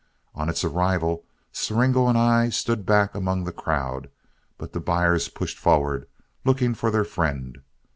On its arrival, Siringo and I stood back among the crowd, but the buyers pushed forward, looking for their friend.